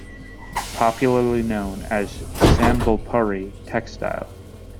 Popularly known as Sambalpuri Textile.